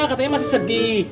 katanya masih sedih